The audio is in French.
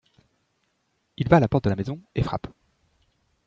Il va à la porte de la maison et frappe.